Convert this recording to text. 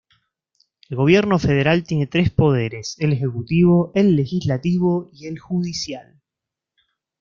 El gobierno federal tiene tres poderes: el ejecutivo, el legislativo y el judicial.